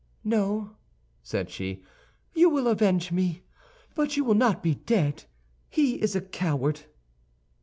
"No," said she, "you will avenge me; but you will not be dead. He is a coward."